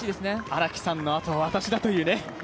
荒木さんのあとは私だという。